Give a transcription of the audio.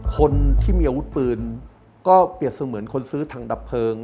คนที่มีอาวุธปืนก็เปรียบเสมือนคนซื้อถังดับเพลิง